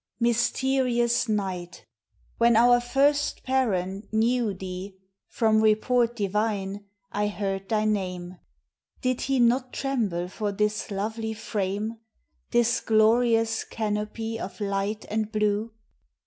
Mysterious Night! when our first parent knew Thee, from report divine, I heard thy name, Did he not tremble for this lovely frame, — This glorious canopy of light and blue?